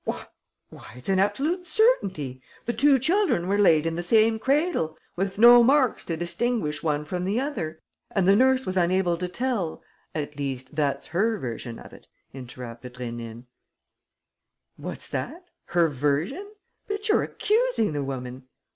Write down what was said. "What! Why, it's an absolute certainty! The two children were laid in the same cradle, with no marks to distinguish one from the other; and the nurse was unable to tell...." "At least, that's her version of it," interrupted Rénine. "What's that? Her version? But you're accusing the woman."